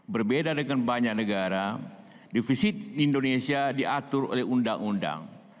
berbeda dengan banyak negara defisit indonesia diatur oleh undang undang